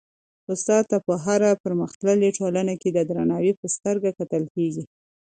استاد ته په هره پرمختللي ټولنه کي د درناوي په سترګه کتل کيږي.